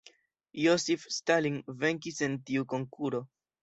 Josif Stalin venkis en tiu konkuro.